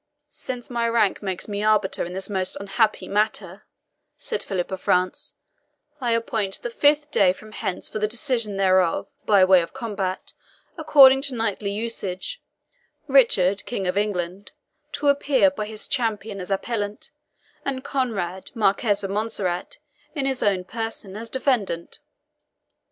"Since my rank makes me arbiter in this most unhappy matter," said Philip of France, "I appoint the fifth day from hence for the decision thereof, by way of combat, according to knightly usage Richard, King of England, to appear by his champion as appellant, and Conrade, Marquis of Montserrat, in his own person, as defendant.